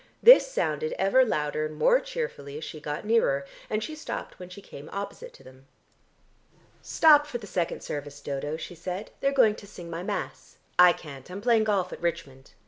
This sounded ever louder and more cheerfully as she got nearer, and she stopped when she came opposite to them. "Stop for the second service, Dodo," she said. "They're going to sing my mass. I can't. I'm playing golf at Richmond.